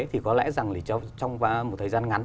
thì có lẽ rằng trong một thời gian ngắn